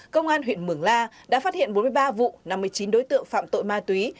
công an huyện mường la đã phát hiện bốn mươi ba vụ năm mươi chín đối tượng phạm tội ma túy